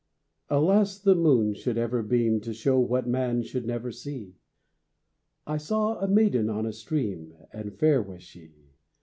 ] Alas, the moon should ever beam To show what man should never see! I saw a maiden on a stream, And fair was she!